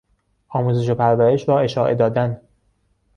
آموزش و پرورش را اشاعه دادن